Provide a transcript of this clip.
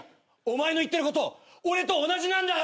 お前の言ってること俺と同じなんだよ！